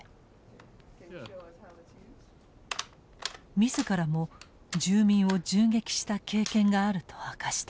自らも住民を銃撃した経験があると明かした。